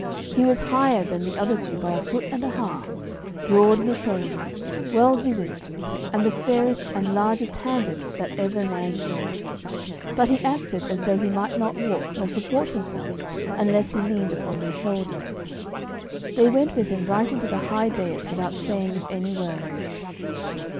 He was higher than the other two by a foot and a half, broad in the shoulders, well visaged, and the fairest and largest handed that ever man saw; but he acted as though he might not walk nor support himself unless he leaned upon their shoulders. They went with him right unto the high dais without saying of any words.